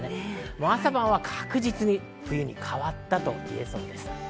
朝晩は確実に冬に変わったといえそうです。